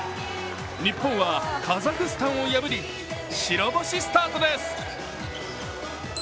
日本はカザフスタンを破り、白星スタートです。